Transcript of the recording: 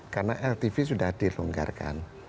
karena ltv sudah dilenggarkan